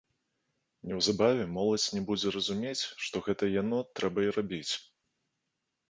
Неўзабаве моладзь не будзе разумець, што гэта яно трэба і рабіць.